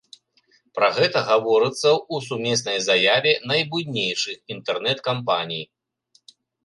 Пра гэта гаворыцца ў сумеснай заяве найбуйнейшых інтэрнэт-кампаній.